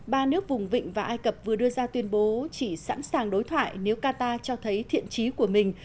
ba nước vùng vịnh và ai cập vừa đưa ra tuyên bố chỉ sẵn sàng đối thoại nếu qatar cho thấy thiện trí của mình